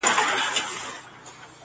سړیتوب په ښو اوصافو حاصلېږي،